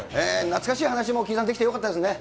懐かしい話も聞けてよかったですね。